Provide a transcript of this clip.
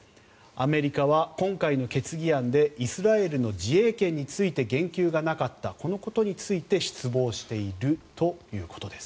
アメリカは今回の決議案でイスラエルの自衛権について言及がなかったこのことについて失望しているということです。